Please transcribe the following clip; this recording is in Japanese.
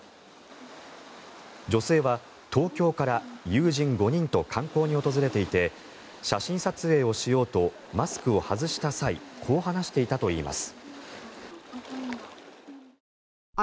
女性は東京から友人５人と観光に訪れていて写真撮影をしようとマスクを外した際こう話していたといいます。